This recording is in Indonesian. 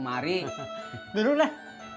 hei itu bagan swornai